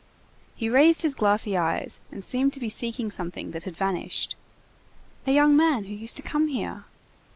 He raised his glassy eyes and seemed to be seeking something that had vanished. "A young man who used to come here."